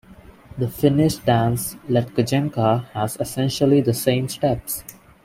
The Finnish dance Letkajenkka has essentially the same steps.